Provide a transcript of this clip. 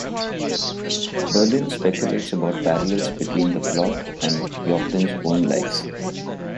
Berlin speculates about parallels between the plot and Joplin's own life.